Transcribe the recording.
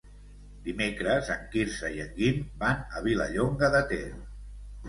Dimecres en Quirze i en Guim van a Vilallonga de Ter.